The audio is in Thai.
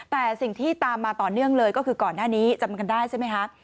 แต่สิ่งที่ตามมาต่อเนื่องเลยก็คือก่อนหน้านี้จำกันได้ใช่ไหมคะ